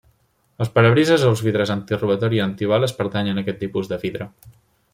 Els parabrises o els vidres antirobatori i antibales pertanyen a aquest tipus de vidre.